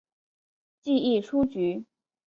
记一出局。